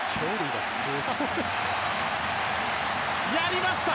やりました！